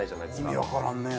意味わからんね。